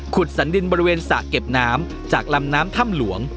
สันดินบริเวณสระเก็บน้ำจากลำน้ำถ้ำหลวง